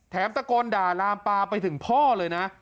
ตะโกนด่าลามปลาไปถึงพ่อเลยนะ